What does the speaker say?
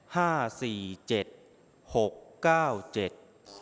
ห้าสี่เจ็ดหกเก้าเจ็ด